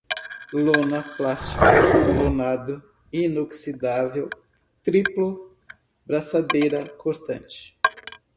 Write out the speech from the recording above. lona, plástica, lonado, inoxidável, triplo, braçadeira, cortante